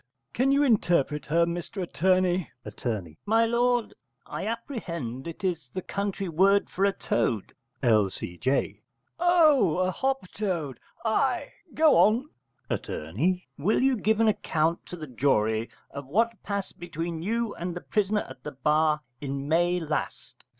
Can you interpret her, Mr Attorney? Att. My lord, I apprehend it is the country word for a toad. L.C.J. Oh, a hop toad! Ay, go on. Att. Will you give an account to the jury of what passed between you and the prisoner at the bar in May last?